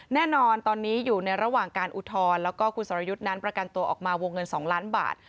แน่นอนตอนนี้อยู่ในระหว่างการอุทธรณ์แล้วก็คุณสรยุทธ์นั้นประกันตัวออกมาวงเงิน๒ล้านบาท